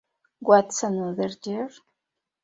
What's Another Year?